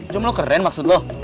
jumlah keren maksud lo